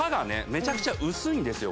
めちゃくちゃ薄いんですよ